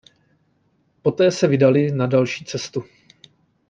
Poté se vydali na další cestu.